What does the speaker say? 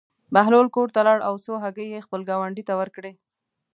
بهلول کور ته لاړ او څو هګۍ یې خپل ګاونډي ته ورکړې.